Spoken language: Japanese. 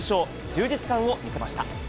充実感を見せました。